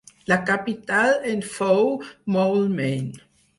La capital en fou Moulmein.